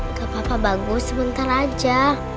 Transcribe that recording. nggak apa apa bagus sebentar aja